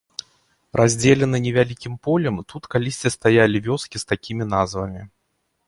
Раздзеленыя невялікім полем, тут калісьці стаялі вёскі з такімі назвамі.